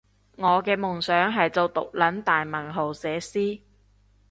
我嘅夢想係做毒撚大文豪寫詩